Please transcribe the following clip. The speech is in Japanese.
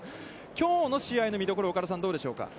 きょうの試合の見どころ、岡田さん、どうですか。